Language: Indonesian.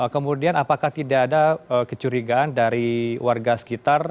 kemudian apakah tidak ada kecurigaan dari warga sekitar